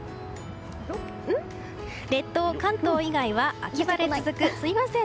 列島、関東以外は秋晴れ続く。